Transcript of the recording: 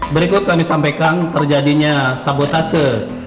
berikut kami sampaikan terjadinya sabotase